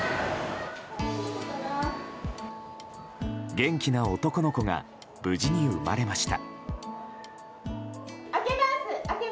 元気な男の子が無事に生まれました。